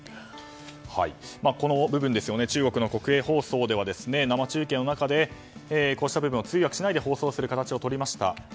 この部分ですよね中国の国営放送では生中継の中でこうした部分を通訳しないで放送する形をとりました。